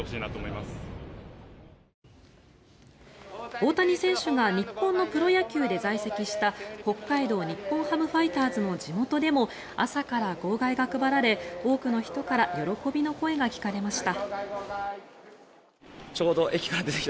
大谷選手が日本のプロ野球で在席した北海道日本ハムファイターズの地元でも朝から号外が配られ多くの人から喜びの声が聞かれました。